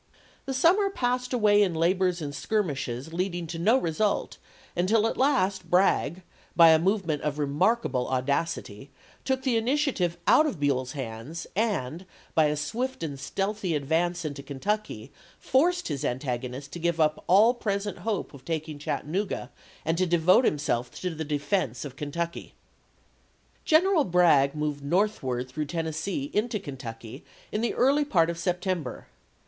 The summer passed away in labors and skirmishes leading to no result, until at last Bragg, by a movement of remarkable audacity, took the initiative out of Buell's hands, and, by a swift and stealthy advance into Kentucky, forced his antagonist to give up all present hope of taking Chattanooga and to devote himself to the defense of Kentucky. Greneral Bragg moved northward through Tennes 1862. see into Kentucky in the early part of September.